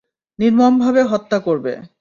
নির্মমভাবে হত্যা করবে।